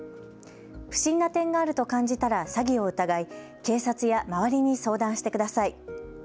不審な点があると感じたら詐欺を疑い警察や周りに相談してください。